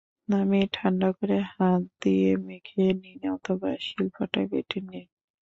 নামিয়ে ঠান্ডা করে হাত দিয়ে মেখে নিন অথবা শিল-পাটায় বেটে নিন।